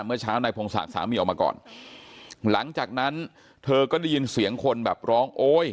เมื่อเช้านายพงศักดิ์สามีออกมาก่อนหลังจากนั้นเธอก็ได้ยินเสียงคนแบบร้องโอ๊ย